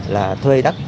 là thuê đất